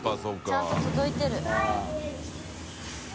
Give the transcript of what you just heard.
ちゃんと届いてる。